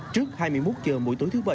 trước hai mươi một h mỗi tối thứ bảy